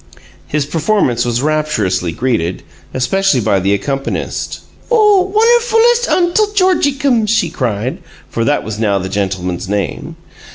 His performance was rapturously greeted, especially by the accompanist. "Oh, wunnerfulest Untle Georgiecums!" she cried, for that was now the gentleman's name.